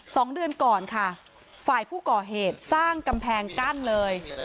สองเดือนก่อนค่ะฝ่ายผู้ก่อเหตุสร้างกำแพงกั้นเลย